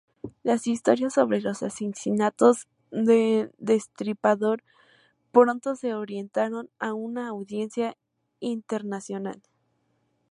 Las historias sobre los asesinatos del Destripador pronto se orientaron a una audiencia internacional.